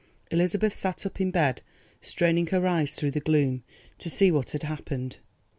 Elizabeth sat up in bed straining her eyes through the gloom to see what had happened.